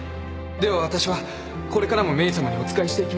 ではわたしはこれからもメイさまにお仕えしていきます